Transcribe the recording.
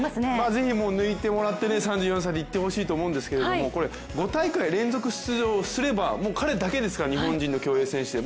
ぜひ抜いてもらって３４歳で行ってほしいと思うんですけどこれ５大会連続出場すればもう彼だけですから日本人の競泳選手で。